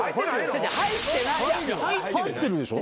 入ってるでしょ？